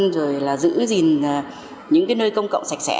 giữ gìn những nơi công cộng sạch sẽ